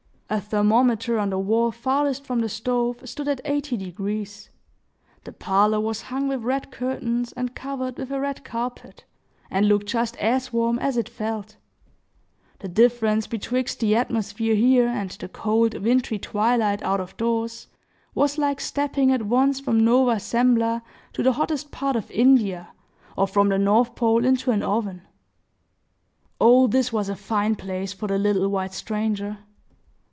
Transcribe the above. A thermometer on the wall farthest from the stove stood at eighty degrees. The parlor was hung with red curtains, and covered with a red carpet, and looked just as warm as it felt. The difference betwixt the atmosphere here and the cold, wintry twilight out of doors, was like stepping at once from Nova Zembla to the hottest part of India, or from the North Pole into an oven. Oh, this was a fine place for the little white stranger!